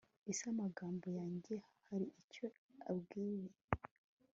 ese amagambo yanjye hari icyo ayibwiye